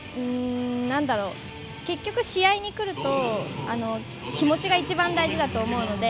結局、試合に来ると気持ちが一番大事だと思うので。